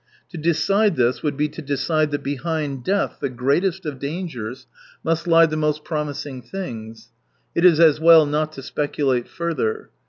> To 'decide this would be to decide that behind death, the greatest of dangere, 214 must He the most promising things. It is as well not to speculate further.